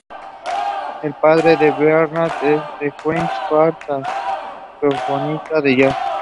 Es padre de Bernard et de Jacques Schwarz-Bart, saxofonista de jazz.